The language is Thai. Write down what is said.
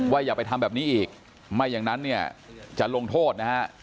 อย่าไปทำแบบนี้อีกไม่อย่างนั้นเนี่ยจะลงโทษนะฮะ